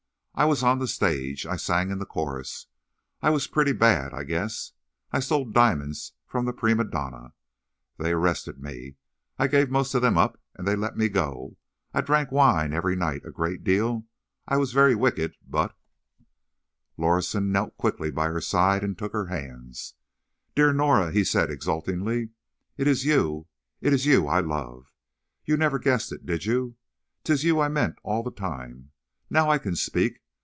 I was on the stage ... I sang in the chorus ... I was pretty bad, I guess ... I stole diamonds from the prima donna ... they arrested me ... I gave most of them up, and they let me go ... I drank wine every night ... a great deal ... I was very wicked, but—" Lorison knelt quickly by her side and took her hands. "Dear Norah!" he said, exultantly. "It is you, it is you I love! You never guessed it, did you? 'Tis you I meant all the time. Now I can speak.